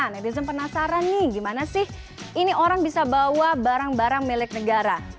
netizen penasaran nih gimana sih ini orang bisa bawa barang barang milik negara